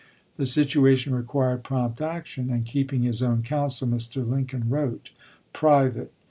The situa tion required prompt action, and, keeping his own counsel, Mr. Lincoln wrote : (Private.)